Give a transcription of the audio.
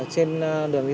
trên đường đi